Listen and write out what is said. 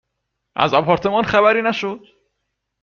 از آپارتمان خبری نشد ؟